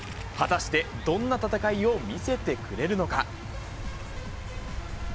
果たしてどんな戦いを見せてくれるのか。